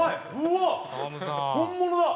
うわあ本物だ！